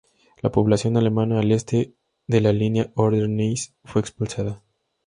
La población alemana al este de la línea Oder-Neisse fue expulsada.